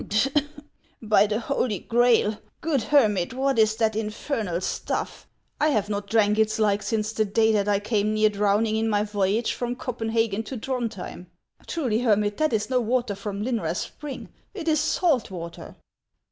" By the Holy Grail ! good hermit, what is that infernal stuff ? I have not drank its like since the day that I came near drowning in my voyage from Copenhagen to Throndhjem. Truly, hermit, that is no water from Lynrass spring ; it is salt water."